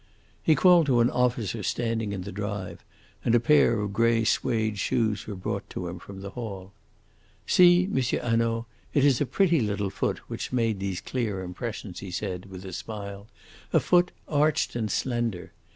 He called to an officer standing in the drive, and a pair of grey suede shoes were brought to him from the hall. "See, M. Hanaud, it is a pretty little foot which made those clear impressions," he said, with a smile; "a foot arched and slender.